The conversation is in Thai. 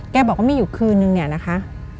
บอกว่ามีอยู่คืนนึงเนี่ยนะคะ